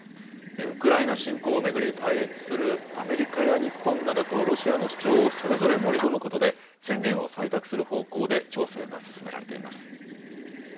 ウクライナ侵攻を巡り、対立するアメリカや日本などとロシアの主張をそれぞれ盛り込むことで、宣言を採択する方向で調整が進められています。